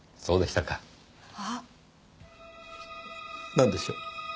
なんでしょう？